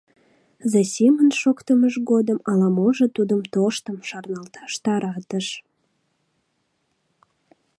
Зосимын шоктымыж годым ала-можо тудым тоштым шарналташ таратыш.